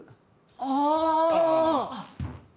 ああ。